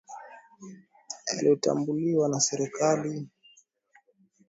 Yaliyotambuliwa na serikali kwa jumla lugha hai